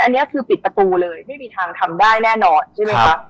อันนี้คือปิดประตูเลยไม่มีทางทำได้แน่นอนใช่ไหมคะ